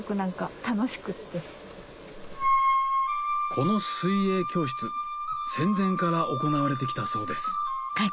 この水泳教室戦前から行われて来たそうです